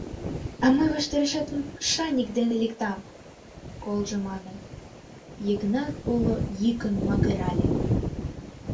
— А мый ваштарешет шаньык дене лектам! — колжо манын, Йыгнат уло йӱкын магырале.